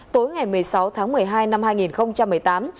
tối ngày một mươi sáu tháng một mươi hai năm hai nghìn một mươi tám